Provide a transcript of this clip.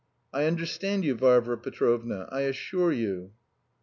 I understand you, Varvara Petrovna, I assure you."